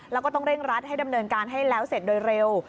แล้วก็ต้องเร่งรัดให้ดำเนินการให้แล้วเสร็จโดยเร็ว